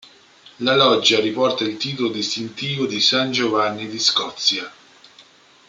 La Loggia riporta il titolo distintivo di San Giovanni di Scozia.